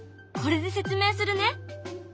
これで説明するね。